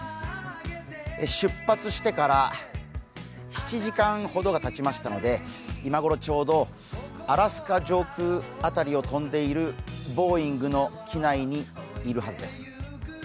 出発してから７時間ほどがたちましたので今頃ちょうどアラスカ上空辺りを飛んでいるボーイングの機内にいるはずです。